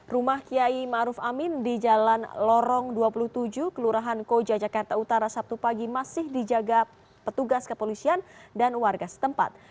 rumah kiai ⁇ maruf ⁇ amin di jalan lorong dua puluh tujuh kelurahan koja jakarta utara sabtu pagi masih dijaga petugas kepolisian dan warga setempat